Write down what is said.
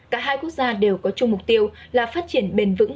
cả hai quốc gia đều có chung mục tiêu là phát triển bền vững